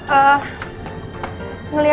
ngeliat anak kecil ini gak